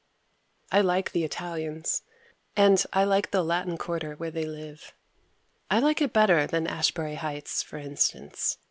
I like the Italians and I like the Latin quarter where they live. I like it better than Ashbury Heights for instance.